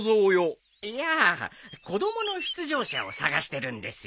いや子供の出場者を探してるんですよ。